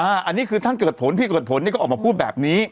อันนี้คือท่านเกิดผลพี่เกิดผลนี่ก็ออกมาพูดแบบนี้